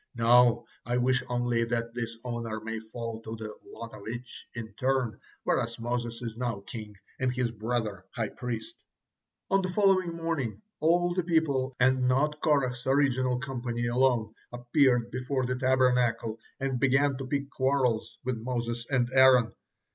No, I wish only that this honor may fall to the lot of each in turn, whereas Moses is now king, and his brother high priest." On the following morning, all the people, and not Korah's original company alone, appeared before the Tabernacle and began to pick quarrels with Moses and Aaron.